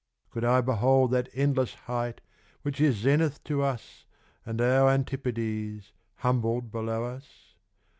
Could I behold that endlesse height which isZenith to us, and our Antipodes, Humbled below us?